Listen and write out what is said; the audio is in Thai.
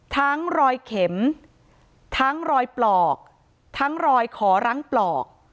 ทั้งรอยเข็มทั้งรอยปลอกทั้งรอยขอรั้งปลอก